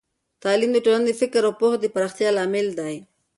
تعليم د ټولنې د فکر او پوهه د پراختیا لامل دی.